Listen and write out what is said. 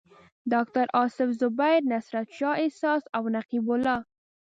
ډاکټر اصف زبیر، نصرت شاه احساس او نقیب الله.